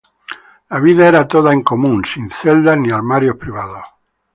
La vida era toda en común, sin celdas ni armarios privados.